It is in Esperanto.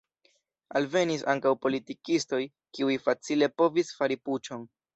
Alvenis ankaŭ politikistoj, kiuj facile povis fari puĉon.